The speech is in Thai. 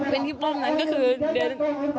เป็นที่ป้องนะก็คือเดี๋ยว